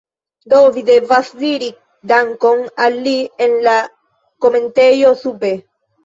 Do, vi devas diri dankon al li en la komentejo sube